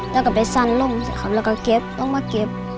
แล้วก็ไปสั้นลงครับแล้วก็เก็บต้องมาเก็บ